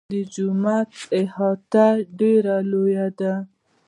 د جومات احاطه ډېره لویه ده.